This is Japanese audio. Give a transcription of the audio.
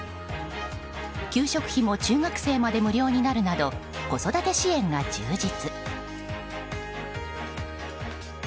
給食費も中学生まで無料になるなど子育て支援が充実。